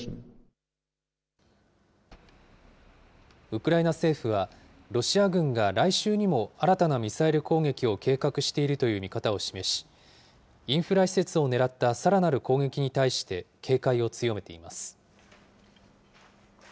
ウクライナ政府は、ロシア軍が来週にも、新たなミサイル攻撃を計画しているという見方を示し、インフラ施設を狙ったさらなる攻撃に対して警戒を強めています。